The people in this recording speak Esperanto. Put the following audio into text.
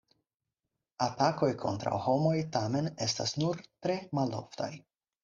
Atakoj kontraŭ homoj tamen estas nur tre maloftaj.